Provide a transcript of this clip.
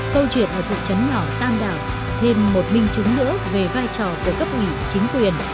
câu chuyện ở thực chấn nhỏ tâm đảo thêm một minh chứng nữa về vai trò của cấp ủy chính quyền